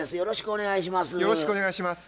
よろしくお願いします。